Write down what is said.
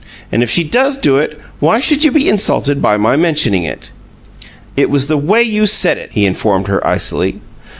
And if she does do it, why should you be insulted by my mentioning it?" "It was the way you said it," he informed her, icily.